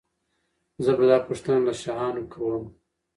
زه به دا پوښتنه له شاهانو کوم.